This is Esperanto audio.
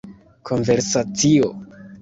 konversacio